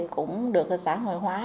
cũng được xã hội hóa